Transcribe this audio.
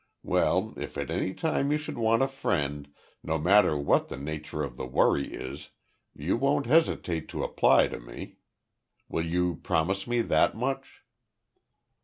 Well, if at any time you should want a friend, no matter what the nature of the worry is, you won't hesitate to apply to me. Will you promise me that much?"